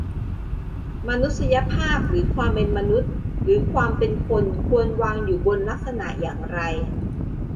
"มนุษยภาพ หรือความเป็นมนุษย์ หรือความเป็นคน ควรวางอยู่บนลักษณะอย่างไร"